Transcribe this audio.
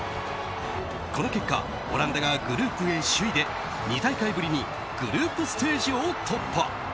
この結果オランダがグループＡ首位で２大会ぶりにグループステージを突破。